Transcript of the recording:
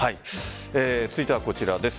続いてはこちらです。